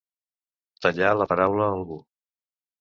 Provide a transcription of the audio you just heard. Tallar la paraula a algú.